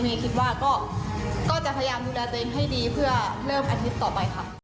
คิดว่าก็จะพยายามดูแลตัวเองให้ดีเพื่อเริ่มอาทิตย์ต่อไปค่ะ